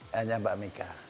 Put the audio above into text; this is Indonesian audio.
hanya mbak mega